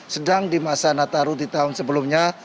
sedang di masa natal tahun di tahun sebelumnya